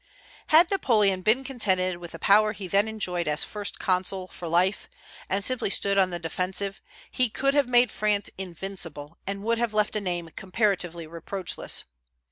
Had Napoleon been contented with the power he then enjoyed as First Consul for life, and simply stood on the defensive, he could have made France invincible, and would have left a name comparatively reproachless.